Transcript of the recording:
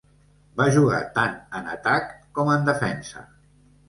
Va jugar tant en atac com en defensa.